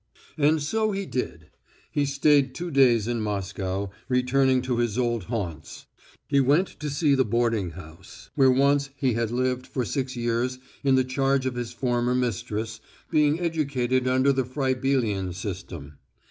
And so he did. He stayed two days in Moscow, returning to his old haunts. He went to see the boarding house where once he had lived for six years in the charge of his form mistress, being educated under the Froebelian system.